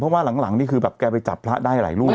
เพราะว่าหลังนี่คือแบบแกไปจับพระได้หลายรูป